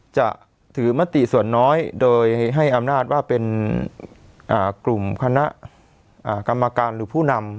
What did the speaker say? จะถือมติส่วนน้อยโดยให้อำนาจว่าเป็นกลุ่มคณะกรรมการหรือผู้นำ